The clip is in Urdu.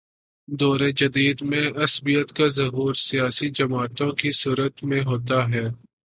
دور جدید میں عصبیت کا ظہور سیاسی جماعتوں کی صورت میں ہوتا ہے۔